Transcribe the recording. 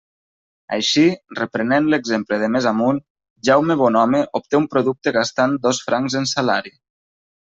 Així, reprenent l'exemple de més amunt, Jaume Bonhome obté un producte gastant dos francs en salari.